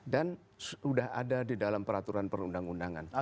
dan sudah ada di dalam peraturan perundang undangan